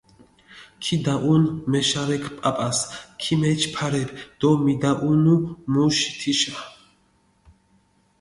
ქიდაჸუნჷ მეშარექ პაპას, ქიმეჩჷ ფარეფი დო მიდაჸუნუ მუში თიშა.